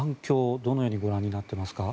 どのようにご覧になっていますか。